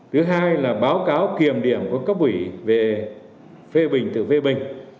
thứ hai là báo cáo kiểm điểm của cấp ủy về phê bình tự phê bình